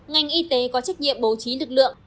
ngành y tế có trách nhiệm bố trí lực lượng